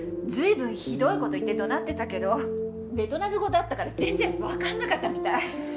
随分ひどい事言って怒鳴ってたけどベトナム語だったから全然わかんなかったみたい。